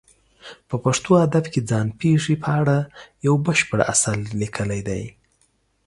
په پښتو ادب کې ځان پېښې په اړه یو بشپړ اثر لیکلی دی.